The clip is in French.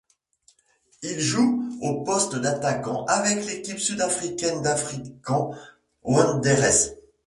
Il joue au poste d'attaquant avec l'équipe sud-africaine d'African Wanderers.